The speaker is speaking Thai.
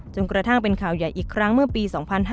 กระทั่งเป็นข่าวใหญ่อีกครั้งเมื่อปี๒๕๕๙